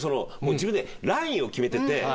自分でラインを決めてて。